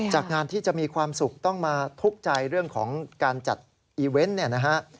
จากงานที่จะมีความสุขต้องมาทุกข์ใจเรื่องของการจัดอีเวนต์เนี่ยนะฮะ